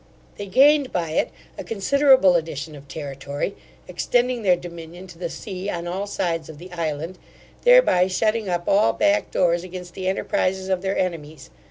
They gained by it a considerable addition of territory, extending their dominion to the sea on all sides of the island, thereby shutting up all back doors against the enterprizes of their enemies.